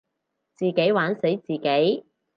自己玩死自己